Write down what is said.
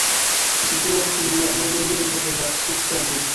Ĝi situas en la nordoriento de la subŝtato.